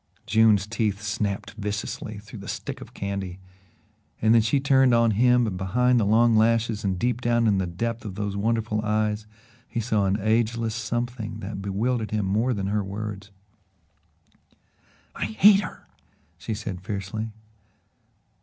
June's teeth snapped viciously through the stick of candy and then she turned on him and behind the long lashes and deep down in the depth of those wonderful eyes he saw an ageless something that bewildered him more than her words. "I hate her," she said fiercely.